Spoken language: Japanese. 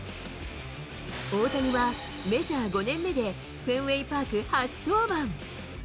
大谷はメジャー５年目で、フェンウェイパーク初登板。